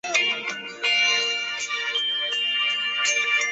曾不知其先祖神灵所在。